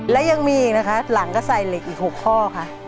และยังมีอีกนะคะหลังก็ใส่เหล็กอีก๖ข้อค่ะ